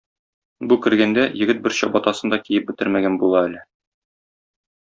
Бу кергәндә, егет бер чабатасын да киеп бетермәгән була әле.